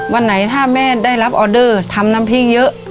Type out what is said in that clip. วันไหนถ้าแม่ได้รับออเดอร์ทำน้ำพริกเยอะ